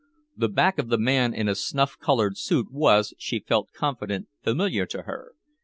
The back of the man in a snuff colored suit was, she felt confident, familiar to her.